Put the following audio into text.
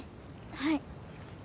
はい。